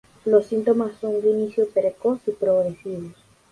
Los síntomas son de inicio precoz y progresivos.